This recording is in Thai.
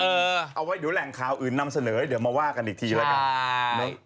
เอาไว้เดี๋ยวแหล่งข่าวอื่นนำเสนอเดี๋ยวมาว่ากันอีกทีแล้วกัน